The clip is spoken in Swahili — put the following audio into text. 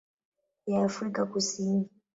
ya Afrika Kusini.